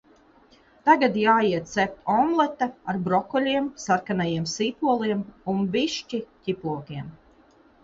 Tagad jāiet cept omlete ar brokoļiem, sarkanajiem sīpoliem un bišķi ķiplokiem.